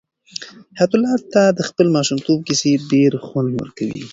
حیات الله ته د خپل ماشومتوب کیسې ډېر خوند ورکوي.